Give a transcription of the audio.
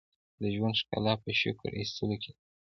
• د ژوند ښکلا په شکر ایستلو کې ده.